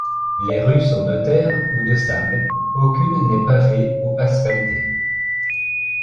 Les rues sont de terre et de sable, aucune n'est pavée ou asphaltée.